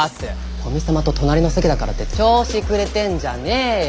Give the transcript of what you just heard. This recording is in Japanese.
古見様と隣の席だからって調子くれてんじゃねよ